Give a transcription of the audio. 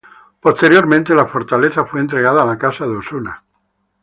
Posteriormente la fortaleza fue entregada a la Casa de Osuna.